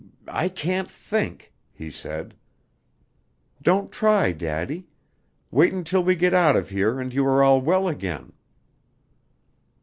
"I I can't think," he said. "Don't try, Daddy. Wait until we get out of here and you are all well again."